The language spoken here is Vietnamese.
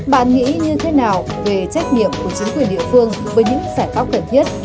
bạn nghĩ như thế nào về trách nhiệm của chính quyền địa phương với những giải pháp cần thiết